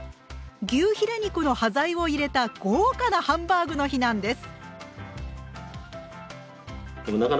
牛ヒレ肉の端材を入れた豪華なハンバーグの日なんです。